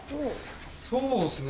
・そうっすね